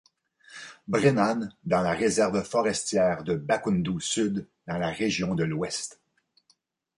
Brenan dans la réserve forestière de Bakundu-Sud, dans la Région de l'Ouest.